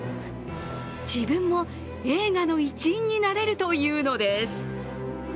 自分も映画の一員になれるというのです。